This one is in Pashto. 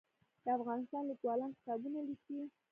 د افغانستان لیکوالان کتابونه لیکي